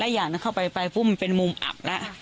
อีกอย่างหนึ่งเข้าไปปุ๊บมันเป็นมุมอับแล้ว